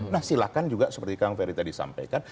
nah silakan juga seperti kang ferry tadi sampaikan